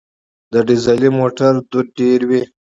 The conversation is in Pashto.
د ډیزلي موټر لوګی ډېر وي.